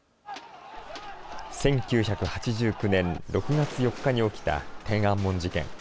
１９８９年６月４日に起きた天安門事件。